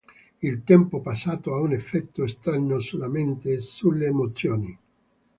Il tempo passato ha un effetto strano sulla mente e sulle emozioni.